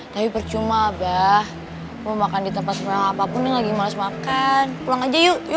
tapi percuma abah mau makan di tempat apapun yang lagi males makan pulang aja yuk